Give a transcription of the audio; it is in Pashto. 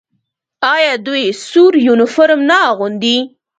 آیا دوی سور یونیفورم نه اغوندي؟